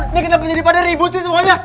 ini kenapa jadi pada ributin semuanya